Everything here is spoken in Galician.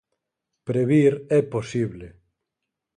Previr é posible.